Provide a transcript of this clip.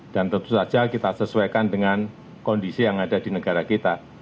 dan tentu saja kita sesuaikan dengan kondisi yang ada di negara kita